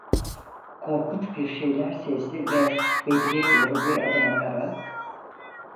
Korkunç bir şeyler sezdi ve Bedri’ye doğru bir adım atarak: